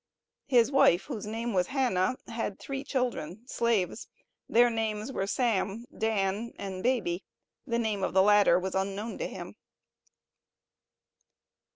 His wife, whose name was Hannah, had three children slaves their names were Sam, Dan, and "baby." The name of the latter was unknown to him.